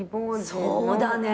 そうだね。